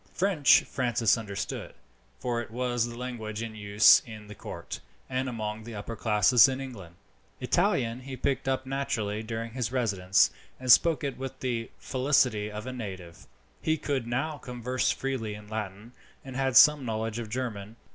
French Francis understood, for it was the language in use in the court and among the upper classes in England. Italian he picked up naturally during his residence, and spoke it with the facility of a native. He could now converse freely in Latin, and had some knowledge of German.